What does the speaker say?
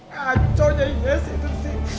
kacau nya yes itu sih